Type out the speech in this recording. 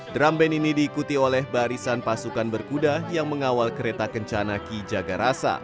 drum band ini diikuti oleh barisan pasukan berkuda yang mengawal kereta kencana ki jagarasa